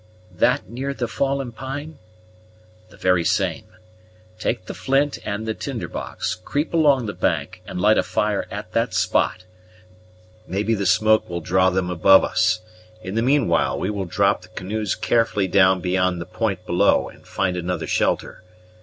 "That near the fallen pine?" "The very same. Take the flint and tinderbox, creep along the bank, and light a fire at that spot; maybe the smoke will draw them above us. In the meanwhile, we will drop the canoes carefully down beyond the point below, and find another shelter.